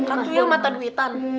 tuyul mata duitan